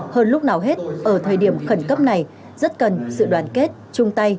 hơn lúc nào hết ở thời điểm khẩn cấp này rất cần sự đoàn kết chung tay